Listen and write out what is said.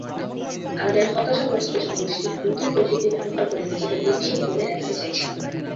আমাদের হতাশাগ্রস্ত জনগোষ্ঠী নতুন প্রযুক্তি ব্যবহার করে নিজেদের গতিশীল বলে দেখাতে চাইছে।